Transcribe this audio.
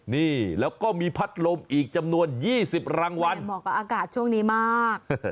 นี่แล้วก็มีพัดลมอีกจำนวน๒๐รางวัลเหมาะกับอากาศช่วงนี้มาก